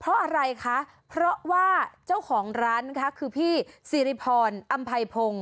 เพราะอะไรคะเพราะว่าเจ้าของร้านนะคะคือพี่สิริพรอำไพพงศ์